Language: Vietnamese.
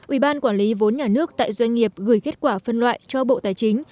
ủy ban quản lý vốn nhà nước tại doanh nghiệp gửi kết quả phân loại cho bộ tài chính